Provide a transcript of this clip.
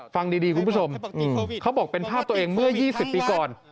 ฟังดีคุณผู้ชมเขาบอกเป็นภาพตัวเองเมื่อ๒๐ปีก่อน